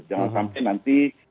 jangan sampai nanti